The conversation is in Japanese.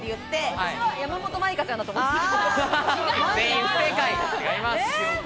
私は山本舞香ちゃんだと思ってた。